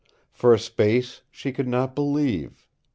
For a space she could not believe.